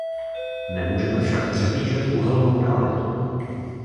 Nemůžeme však přehlížet uhelnou realitu.